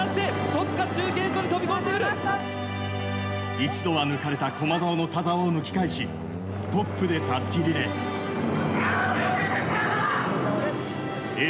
一度は抜かれた駒澤の田澤を抜き返しトップでたすきリレー。